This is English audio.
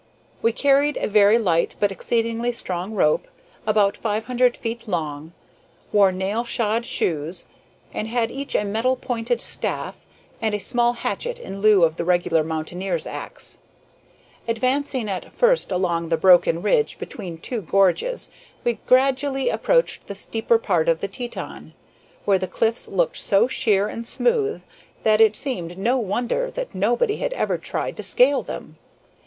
We carried a very light but exceedingly strong rope, about five hundred feet long, wore nail shod shoes, and had each a metal pointed staff and a small hatchet in lieu of the regular mountaineer's axe. Advancing at first along the broken ridge between two gorges we gradually approached the steeper part of the Teton, where the cliffs looked so sheer and smooth that it seemed no wonder that nobody had ever tried to scale them.